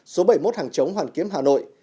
số bảy mươi một hàng chống hoàn kiếm hà nội